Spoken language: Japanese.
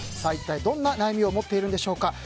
一体どんな悩みを持っているんでしょうか。